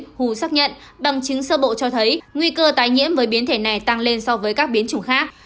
đặc thù xác nhận bằng chứng sơ bộ cho thấy nguy cơ tái nhiễm với biến thể này tăng lên so với các biến chủng khác